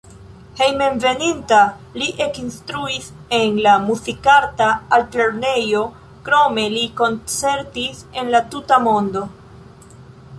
Hejmenveninta li ekinstruis en la Muzikarta Altlernejo, krome li koncertis en la tuta mondo.